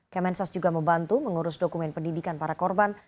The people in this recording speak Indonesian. kemen sos juga membantu mengurus dokumen pendidikan para korban